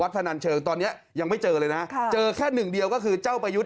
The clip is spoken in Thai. พนันเชิงตอนเนี้ยยังไม่เจอเลยนะเจอแค่หนึ่งเดียวก็คือเจ้าประยุทธ์